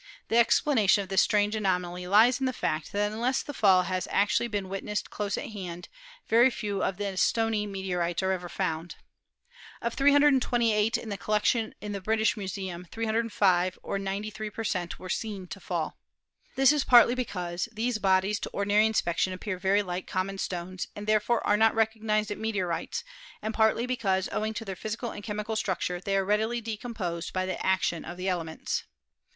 The explanation of this strange anomaly lies in the fact that unless the fall has been actually witnessed close at hand, very few of the stony meteorites are ever found. Of 328 in the collection of the British Museum, 305, or 93 per cent., were seen to fall. This is partly because these bodies to ordinary inspection appear very like com mon stones, and therefore are not recognised as meteorites, and partly because owing to their physical and chemical structure they are readily decomposed by the action of the elements.